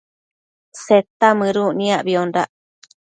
Seta mëduc niacbiondac